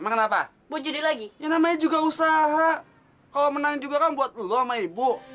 kenapa gue jadi lagi yang namanya juga usaha kalau menang juga kan buat lo sama ibu